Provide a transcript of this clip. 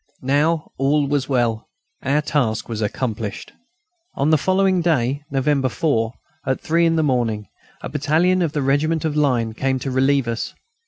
Now all was well. Our task was accomplished. On the following day, November 4, at three in the morning, a battalion of the Regiment of the Line came to relieve us.